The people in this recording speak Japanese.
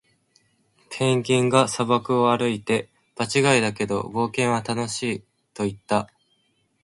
ペンギンが砂漠を歩いて、「場違いだけど、冒険は楽しい！」と言った。